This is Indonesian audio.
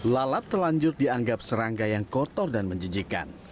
lalap terlanjur dianggap serangga yang kotor dan menjijikan